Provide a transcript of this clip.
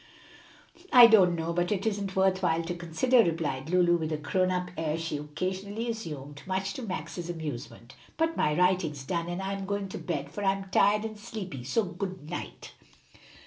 "I don't know, and it isn't worth while to consider," replied Lulu, with a grown up air she occasionally assumed, much to Max's amusement. "But my writing's done, and I'm going to bed, for I'm tired and sleepy. So good night."